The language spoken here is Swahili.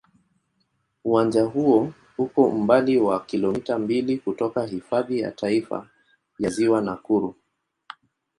Uwanja huo uko umbali wa kilomita mbili kutoka Hifadhi ya Taifa ya Ziwa Nakuru.